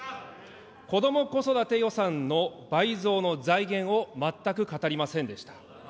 こども・子育て予算の倍増の財源を全く語りませんでした。